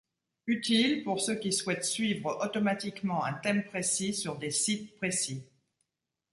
Utile pour ceux qui souhaitent suivre automatiquement un thème précis sur des sites précis.